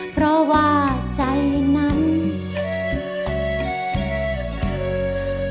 เพราะว่าใจนั้น